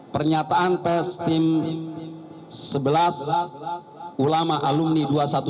pernyataan pes tim sebelas ulama alumni dua ratus dua belas